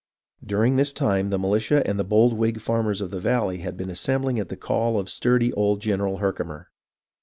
During this time the militia and the bold Whig farmers of the valley had been assembling at the call of sturdy old General Herkimer.